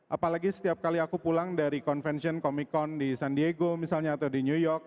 apalagi setiap kali aku pulang dari convention comic con di san diego misalnya atau di new york